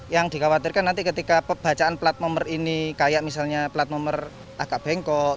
yang dikhawatirkan nanti ketika pembacaan plat nomor ini kayak misalnya plat nomor agak bengkok